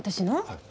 はい。